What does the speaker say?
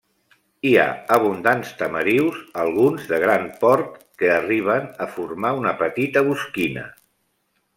Hi ha abundants tamarius, alguns de gran port que arriben a formar una petita bosquina.